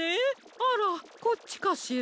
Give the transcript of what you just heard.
あらこっちかしら？